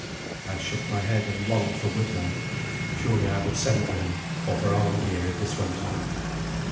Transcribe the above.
I shook my head, and longed for Withelm. Surely I would send for him, or for Arngeir, if this went on.